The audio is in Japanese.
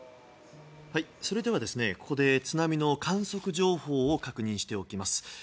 それではここで津波の観測情報を確認しておきます。